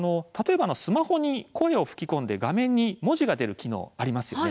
スマホに声を吹き込んで画面に文字が出る機能ありますよね